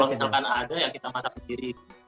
kalau misalkan ada ya kita masak sendiri